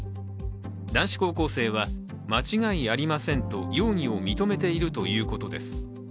男子高校生は、間違いありませんと容疑を認めているということです。